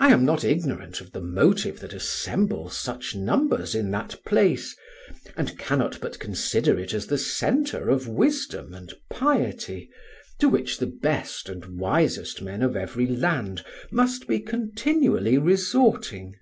I am not ignorant of the motive that assembles such numbers in that place, and cannot but consider it as the centre of wisdom and piety, to which the best and wisest men of every land must be continually resorting."